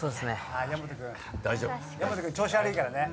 矢本君調子悪いからね。